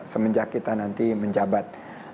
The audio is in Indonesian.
semenjak kita nanti menjabat